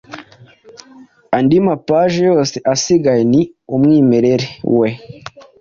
andi mapaji yose asigaye ni umwimerere we